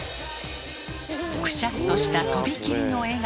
くしゃっとしたとびきりの笑顔。